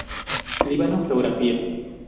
Líbano, geografía.